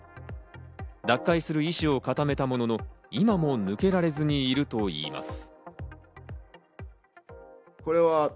脱会する意思を固めたものの、今も抜けられずにいるといいます。